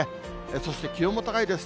そして、気温も高いです。